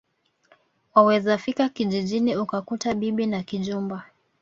Waweza fika kijijini ukakuta bibi na kijumba